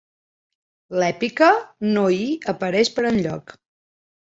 L'èpica no hi apareix per enlloc.